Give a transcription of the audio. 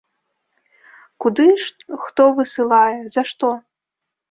Куды хто высылае, за што?